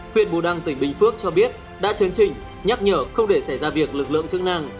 huyện bù đăng tỉnh bình phước cho biết đã chấn trình nhắc nhở không để xảy ra việc lực lượng chức năng